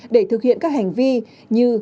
để thực hiện các hành vi như